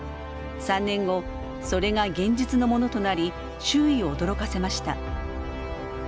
３年後それが現実のものとなり周囲を驚かせました。